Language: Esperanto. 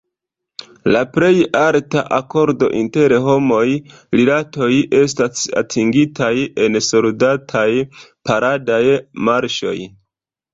La plej alta akordo inter homaj rilatoj estas atingitaj en soldataj paradaj marŝoj.